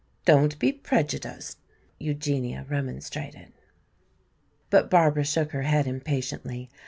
"Don't be prejudiced," Eugenia remonstrated. But Barbara shook her head impatiently.